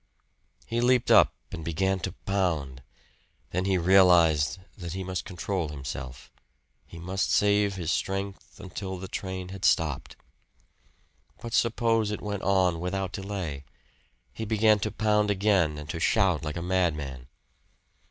He leaped up and began to pound. Then he realized that he must control himself he must save his strength until the train had stopped. But suppose it went on without delay? He began to pound again and to shout like a madman.